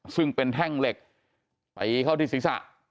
ซึ่งเป็นแท่งเหล็กไปเข้าที่ศิษย์ศาสตร์